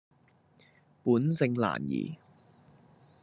本性難移